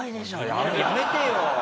やめてよ！